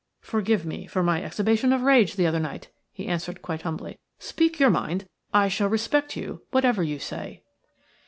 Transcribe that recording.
"Forgive me for my exhibition of rage the other night," he answered, quite humbly. "Speak your mind – I shall respect you whatever you say."